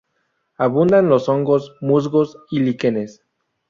Abundan los hongos, musgos y líquenes.